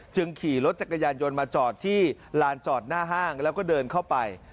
ขี่รถจักรยานยนต์มาจอดที่ลานจอดหน้าห้างแล้วก็เดินเข้าไป